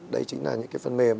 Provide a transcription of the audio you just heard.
đây chính là những cái phần mềm